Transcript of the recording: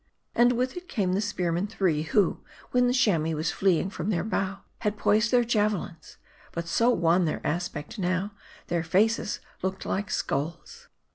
And with it came the spearmen three, who, when the Chamois was fleeing from their bow, had poised their javelins. But so wan their aspect now, their faces looked like skulls.